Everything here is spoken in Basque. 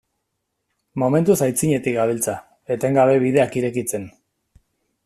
Momentuz aitzinetik gabiltza, etengabe bideak irekitzen.